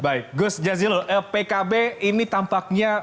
baik gus jazilul pkb ini tampaknya